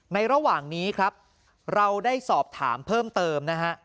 ระหว่างนี้ครับเราได้สอบถามเพิ่มเติมนะฮะ